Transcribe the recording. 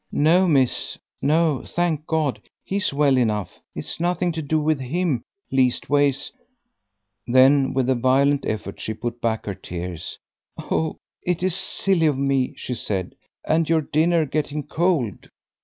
"No, miss, no; thank God, he's well enough. It's nothing to do with him; leastways " Then with a violent effort she put back her tears. "Oh, it is silly of me," she said, "and your dinner getting cold."